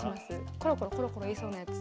コロコロコロコロいいそうなやつ。